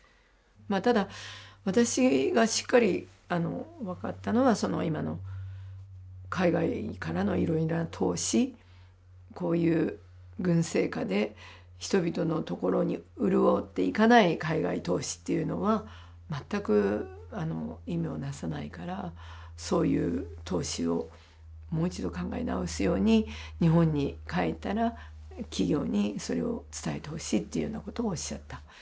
ただ私がしっかり分かったのは今の海外からのいろいろな投資こういう軍政下で人々のところに潤っていかない海外投資っていうのは全く意味をなさないからそういう投資をもう一度考え直すように日本に帰ったら企業にそれを伝えてほしいというようなことをおっしゃった。